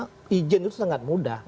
karena izin itu sangat mudah